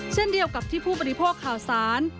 เช่นเดียวกับที่ผู้บริโภคข่าวสาร